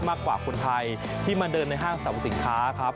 มากกว่าคนไทยที่มาเดินในห้างสรรพสินค้าครับ